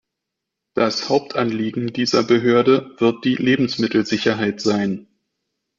Das Hauptanliegen dieser Behörde wird die Lebensmittelsicherheit sein.